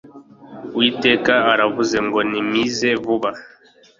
uwiteka iaravuze ngo nimize vuba